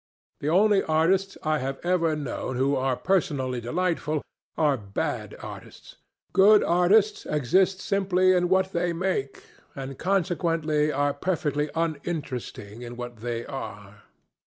The only artists I have ever known who are personally delightful are bad artists. Good artists exist simply in what they make, and consequently are perfectly uninteresting in what they are.